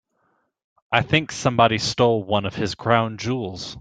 I think somebody stole one of his crown jewels.